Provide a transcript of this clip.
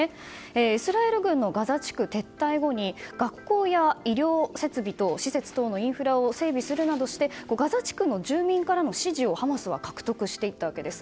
イスラエル軍のガザ地区撤退後に学校や医療設備等のインフラを整備するなどしてガザ地区の住民からの支持をハマスは獲得していったわけです。